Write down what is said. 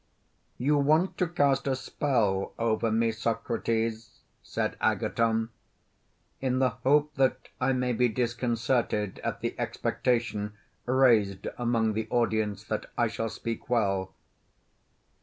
You want to cast a spell over me, Socrates, said Agathon, in the hope that I may be disconcerted at the expectation raised among the audience that I shall speak well.